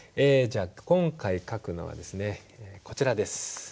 今回書くのはですねこちらです。